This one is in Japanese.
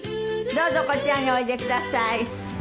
どうぞこちらにおいでください。